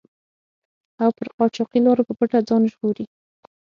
او پر قاچاقي لارو په پټه ځان ژغوري.